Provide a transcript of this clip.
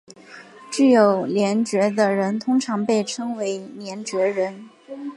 具有联觉的人通常被称作联觉人。